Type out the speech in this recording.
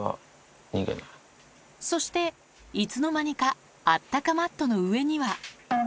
そして、いつの間にかあったかマットの上には。